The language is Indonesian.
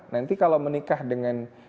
nanti kalau menikah dengan